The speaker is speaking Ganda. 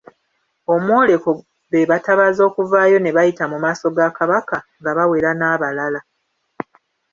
Omwoleko be batabaazi okuvaayo ne bayita mu maaso ga Kabaka nga bawera n'abalaba.